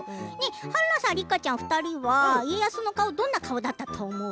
春菜さん、梨花ちゃん２人は家康の顔はどんな顔だったと思う？